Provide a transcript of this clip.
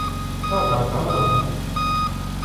تابعت عملها.